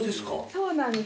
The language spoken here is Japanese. そうなんです。